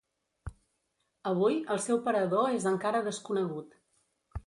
Avui el seu parador és encara desconegut.